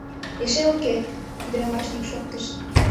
— Эше уке! — ӱдырамаш йӱк шоктыш.